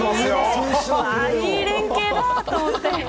いい連係だ！と思って。